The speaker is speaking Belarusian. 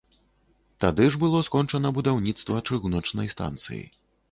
Тады ж было скончана будаўніцтва чыгуначнай станцыі.